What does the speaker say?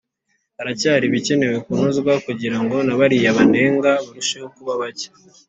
haracyari ibikeneye kunozwa kugira ngo na bariya banenga barusheho kuba bake